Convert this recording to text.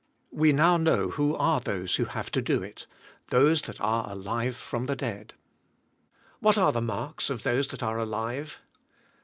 We now know who are those who have to do it — those that are alive from the dead. What are the marks of those that are alive?